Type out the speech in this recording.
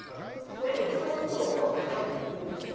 俺もうずーっとの方のパターンでやってみました。